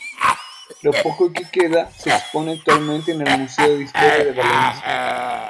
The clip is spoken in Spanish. Lo poco que queda se expone actualmente en el Museo de Historia de Valencia.